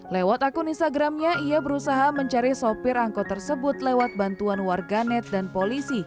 lewat akun instagramnya ia berusaha mencari sopir angkot tersebut lewat bantuan warganet dan polisi